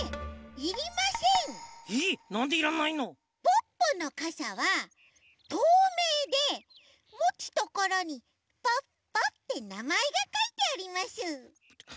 ポッポのかさはとうめいでもつところに「ポッポ」ってなまえがかいてあります。